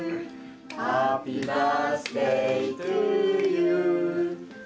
「ハッピー・バースデー・トゥ・ユー」